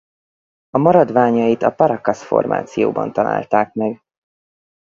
A maradványait a Paracas-formációban találták meg.